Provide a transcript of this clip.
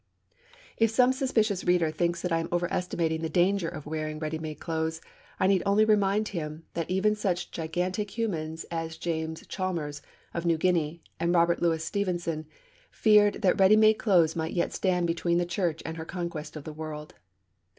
If some suspicious reader thinks that I am overestimating the danger of wearing ready made clothes, I need only remind him that even such gigantic humans as James Chalmers, of New Guinea, and Robert Louis Stevenson feared that ready made clothes might yet stand between the Church and her conquest of the world.